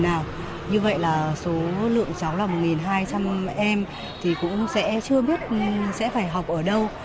như vậy là số lượng cháu là một hai trăm linh em thì cũng sẽ chưa biết sẽ phải học ở đâu